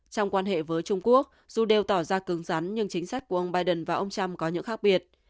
trong quan hệ với trung quốc dù đều tỏ ra cứng rắn nhưng chính sách của ông biden và ông trump có những khác biệt